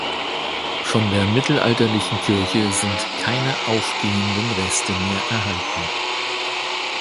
Von der mittelalterlichen Kirche sind keine aufgehenden Reste mehr erhalten.